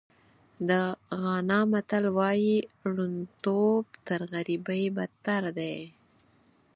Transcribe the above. د غانا متل وایي ړوندتوب تر غریبۍ بدتر دی.